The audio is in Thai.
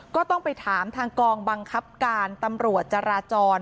ก็ต้องไปถามทางกองบังคับการตำรวจจราจร